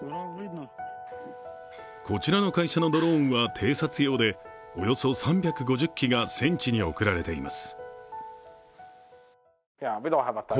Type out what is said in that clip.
こちらの会社のドローンは偵察用で、およそ３５０機が戦地に送られています。